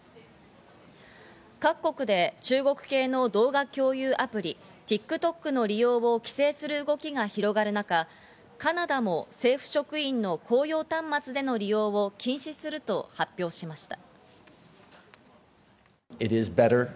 各国で中国系の動画共有アプリ、ＴｉｋＴｏｋの利用を規制する動きが広がる中、カナダも政府職員の公用端末での利用を禁止すると発表しました。